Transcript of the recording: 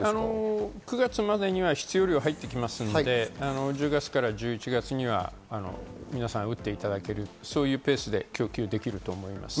９月までには必要量が入ってきますので、１０月から１１月にはみなさん打っていただけるというペースで供給できると思います。